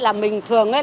là mình thường ấy